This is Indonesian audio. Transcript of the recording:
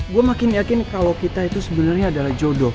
gue makin yakin kalo kita itu sebenernya adalah jodoh